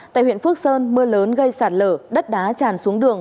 tại huyện phước sơn mưa lớn gây sạt lở đất đá tràn xuống đường